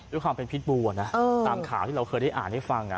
ด้วยความเป็นพิษบูนะตามข่าวที่เราเคยได้อ่านให้ฟัง